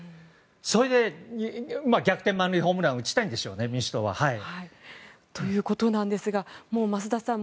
それで、逆転満塁ホームランを打ちたいんでしょうね民主党は。ということなんですが増田さん。